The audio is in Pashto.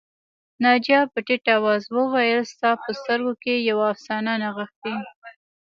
ناجیه په ټيټ آواز وویل ستا په سترګو کې یوه افسانه نغښتې